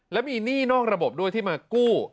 และมีหนี้นอกระบบด้วยที่มากู้